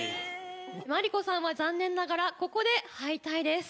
ｍａｒｉｋｏさんは残念ながらここで敗退です。